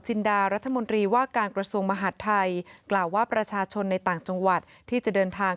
ดารัฐมนตรีว่าการกระทรวงมหาดไทยกล่าวว่าประชาชนในต่างจังหวัดที่จะเดินทาง